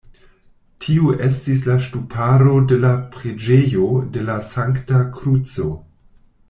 Tio estis la ŝtuparo de la preĝejo de la Sankta Kruco.